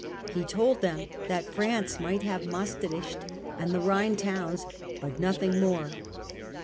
He told them that France might have Maestricht and the Rhine towns, but nothing more.